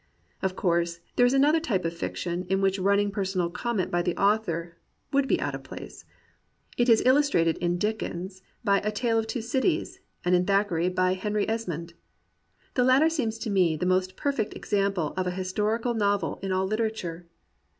Of course, there is another typ)e of fiction in which running personal comment by the author would be out of place. It is illustrated in Dickens by A Tale of Two Cities, and in Thackeray by Henry Esmond, The latter seems to me the most perfect example of a historical novel in all literature.